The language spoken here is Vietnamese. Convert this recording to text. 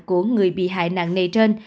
của người bị hại nạn này trên